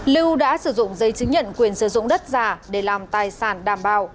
lưu đã sử dụng giấy chứng nhận quyền sử dụng đất giả để làm tài sản đảm bảo